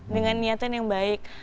dengan niatan yang baik